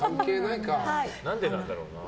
何でなんだろうな。